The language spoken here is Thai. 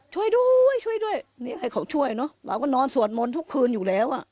ช่วยด้วยช่วยด้วยนี่ให้เขาช่วยเนอะเราก็นอนสวดมนต์ทุกคืนอยู่แล้วอ่ะ